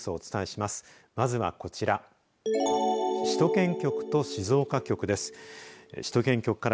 まずはこちら。